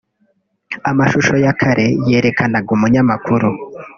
Amashusho ya kare yerekanaga umunyamakuru